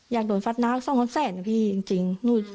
อยากโดนฟาดหน้าก็สร้างความแสนกับพี่จริง